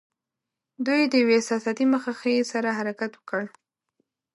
دوی د یوې احساساتي مخه ښې سره حرکت وکړ.